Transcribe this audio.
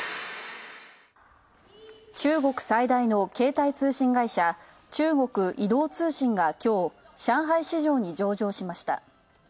中国最大の携帯通信会社、中国移動通信がきょう上海市上に上場しました。